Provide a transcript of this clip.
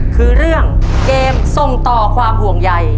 คือเรื่องเกมส่งต่อความห่วงใย